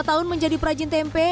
lima tahun menjadi perajin tempe